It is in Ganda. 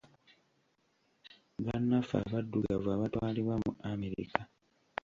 Bannaffe Abaddugavu abatwalibwa mu America.